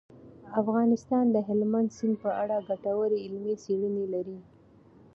افغانستان د هلمند سیند په اړه ګټورې علمي څېړنې لري.